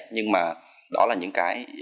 nhưng mà đó là những cái